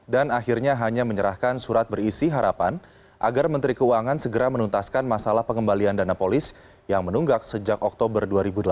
dan akhirnya hanya menyerahkan surat berisi harapan agar menteri keuangan segera menuntaskan masalah pengembalian dana polis yang menunggak sejak oktober dua ribu delapan belas